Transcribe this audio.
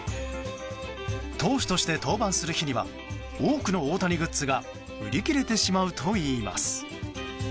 投手として登板する日には多くの大谷グッズが売り切れてしまうといいます。